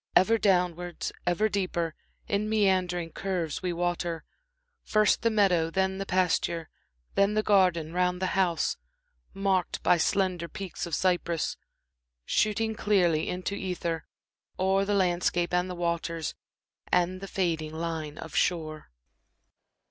Ever downwards, ever deeper, in meandering curves we water First the meadow, then the pasture; then the garden round the house, Marked by slender peaks of cypress, shooting clearly into ether O'er the landscape and the waters and the fading line of shore.